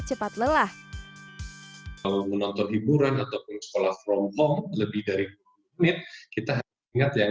cepat lelah menonton hiburan ataupun sekolah from home lebih dari kita ingat yang